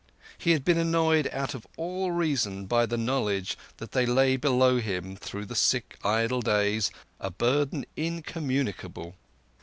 He had been annoyed out of all reason by the knowledge that they lay below him through the sick idle days—a burden incommunicable.